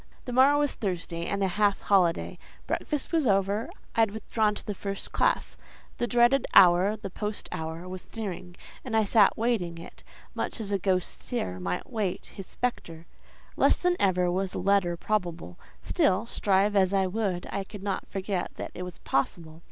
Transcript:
The morrow was Thursday and a half holiday. Breakfast was over; I had withdrawn to the first classe. The dreaded hour, the post hour, was nearing, and I sat waiting it, much as a ghost seer might wait his spectre. Less than ever was a letter probable; still, strive as I would, I could not forget that it was possible.